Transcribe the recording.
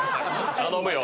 頼むよ。